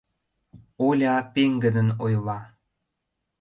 Оля пеҥгыдын ойла: